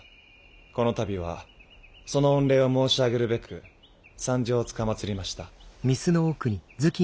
この度はその御礼を申し上げるべく参上つかまつりました。